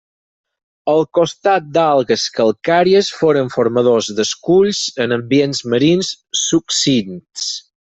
Al costat d'algues calcàries, foren formadors d'esculls en ambients marins succints.